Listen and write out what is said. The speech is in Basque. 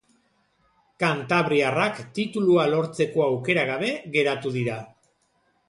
Kantabriarrak titulua lortzeko aukera gabe geratu dira.